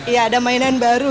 iya ada mainan baru